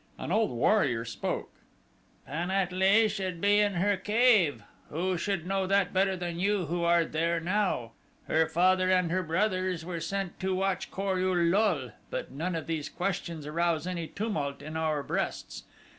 An old warrior spoke. "Pan at lee should be in her cave. Who should know that better than you who are there now? Her father and her brothers were sent to watch Kor ul lul; but neither of these questions arouse any tumult in our breasts.